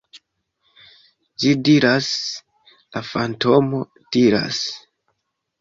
Ĝi diras, la fantomo diras